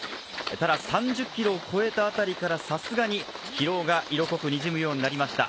ただ、３０キロを超えたあたりからさすがに疲労が色濃くにじむようになりました。